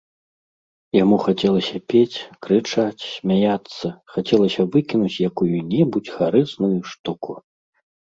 Яму хацелася пець, крычаць, смяяцца, хацелася выкінуць якую-небудзь гарэзную штуку.